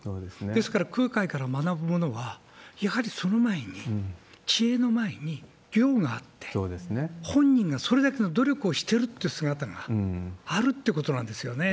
ですから空海から学ぶものは、やはりその前に、知恵の前に行があって、本人がそれだけの努力をしてるって姿があるってことなんですよね。